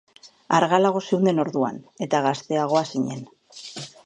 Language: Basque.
Argalago zeunden orduan, eta gazteagoa zinen.